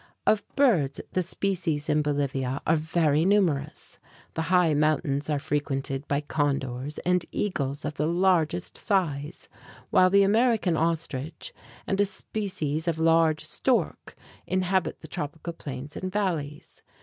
Of birds the species in Bolivia are very numerous. The high mountains are frequented by condors and eagles of the largest size; while the American ostrich and a species of large stork inhabit the tropical plains and valleys.